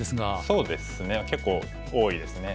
そうですね結構多いですね。